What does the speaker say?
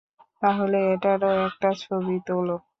তাহলে এটারও একটা ছবি তোল।